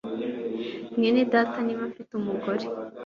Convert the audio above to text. mwene data niba afite umugore